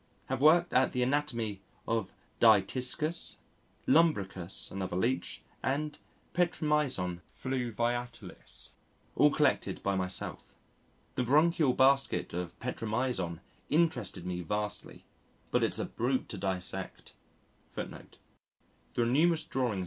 Have worked at the Anatomy of Dytiscus, Lumbricus, another Leech, and Petromyzon fluviatilis all collected by myself. The "branchial basket" of Petromyzon interested me vastly. But it's a brute to dissect. May 1.